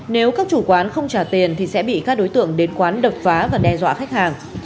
nếu các chủ quán không trả tiền thì sẽ bị các đối tượng đến quán đập phá và đe dọa khách hàng